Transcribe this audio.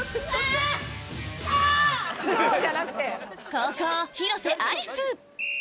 後攻広瀬アリス